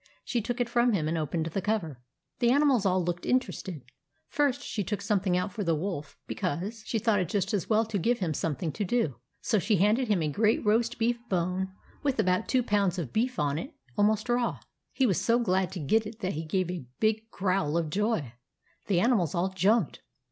She took it from him, and opened the cover. The animals all looked interested. First, she took out something for the Wolf ; because THE ANIMAL PARTY 127 she thought it just as well to give him something to do. So she handed him a great roast beef bone, with about two pounds of beef on it, almost raw. He was so glad to get it that he gave a big growl of joy. The animals all jumped.